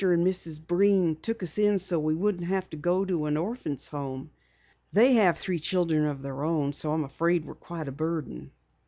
and Mrs. Breen took us in so we wouldn't have to go to an orphans' home. They have three children of their own, and I'm afraid we're quite a burden."